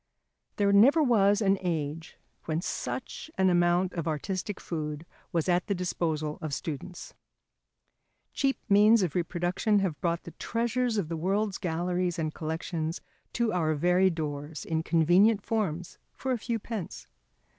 There never was an age when such an amount of artistic food was at the disposal of students. Cheap means of reproduction have brought the treasures of the world's galleries and collections to our very doors in convenient forms for a few pence.